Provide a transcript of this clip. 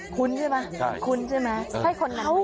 คุ้นใช่มั้ยคุ้นใช่มั้ยแค่คนนั้นใช่